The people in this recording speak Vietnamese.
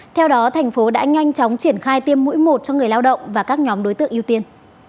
theo đó thành phố đã nhanh chóng triển khai tiêm mũi một cho người lao động và các nhóm đối tượng ưu tiên